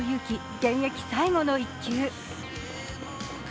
現役最後の１球。